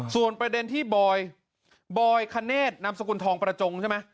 ส่วนประเด็นที่บอยบอยคเนธนามสกุลทองประจงใช่ไหม